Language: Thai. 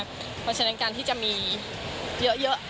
เพราะฉะนั้นการที่จะมีเยอะ